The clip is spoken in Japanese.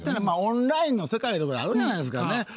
まあオンラインの世界とかあるじゃないですかね。